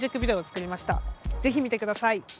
ぜひ見てください！